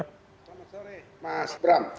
selamat sore mas bram